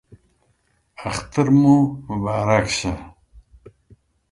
عید مو مبارک شه